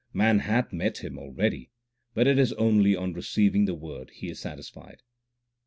Man hath met Him already, 1 but it is only on receiving the Word he is satisfied.